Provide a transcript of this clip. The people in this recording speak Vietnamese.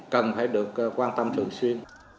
cần phải được quan tâm thường xuyên